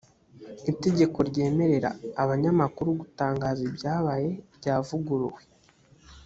itegeko ryemerera abanyamakuru gutangaza ibyabaye ryavuguruwe